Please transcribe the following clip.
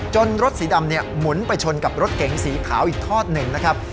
รถสีดำหมุนไปชนกับรถเก๋งสีขาวอีกทอดหนึ่งนะครับ